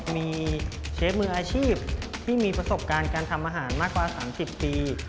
มีเชฟมืออาชีพที่มีประสบการณ์การทำอาหารมากกว่า๓๐ปี